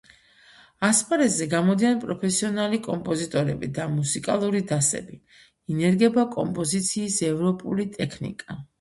ასპარეზზე გამოდიან პროფესიონალი კომპოზიტორები და მუსიკალური დასები, ინერგება კომპოზიციის ევროპული ტექნიკა.